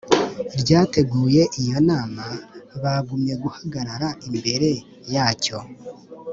ryateguye iyo nama bagumye guhagarara imbere ya cyo